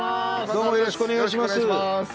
よろしくお願いします。